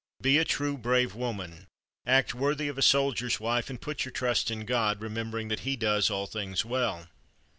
Be a true, brave woman. Act worthy of a soldier's wife, and put your trust in God, remembering that He does all things well."